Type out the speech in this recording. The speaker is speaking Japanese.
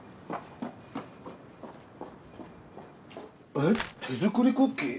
えっ手作りクッキー？